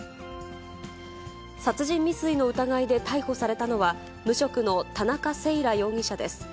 殺人未遂の疑いで逮捕されたのは、無職の田中星来容疑者です。